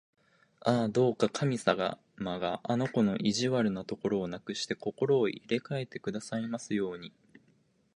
ああ、どうか神様があの子の意地悪なところをなくして、心を入れかえてくださいますように！